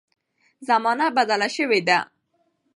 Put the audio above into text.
زمانه بدله شوې ده.